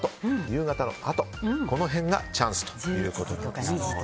夕方のあとこの辺がチャンスということです。